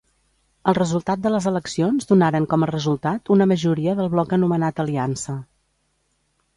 El resultat de les eleccions donaren com a resultat una majoria del bloc anomenat Aliança.